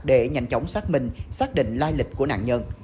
để nhanh chóng xác minh xác định lai lịch của nạn nhân